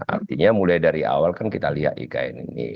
artinya mulai dari awal kan kita lihat ikn ini